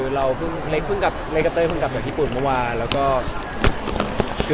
เรนกับเต้ยเพิ่งกลับจากญี่ปุ่นเมื่อวาน